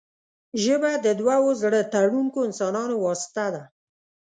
ژبه د دوو زړه تړونکو انسانانو واسطه ده